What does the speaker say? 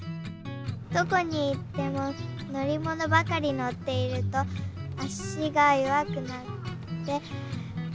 どこにいってものりものばかりのっているとあしがよわくなってたいりょくがなくなっちゃう。